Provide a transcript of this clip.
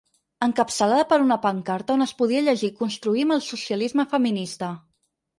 Encapçalada per una pancarta on es podia llegir Construïm el socialisme feminista.